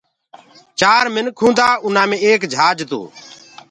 چآر منک هوندآ انآ مي ايڪ جھاج تو